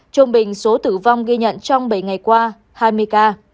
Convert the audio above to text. trung bình số tử vong ghi nhận trong bảy ngày qua hai mươi ca